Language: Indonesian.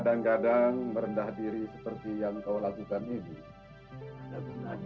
kadang kadang merendah diri seperti yang kamu lakukan ini tidak pernah ya